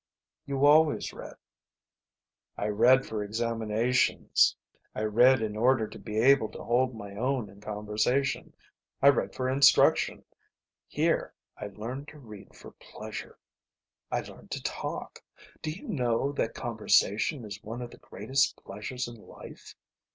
"You always read." "I read for examinations. I read in order to be able to hold my own in conversation. I read for instruction. Here I learned to read for pleasure. I learned to talk. Do you know that conversation is one of the greatest pleasures in life?